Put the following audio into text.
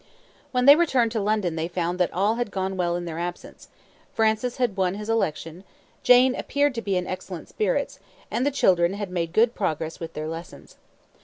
When they returned to London they found that all had gone well in their absence Francis had won his election; Jane appeared to be in excellent spirits; and the children had made good progress with their lessons.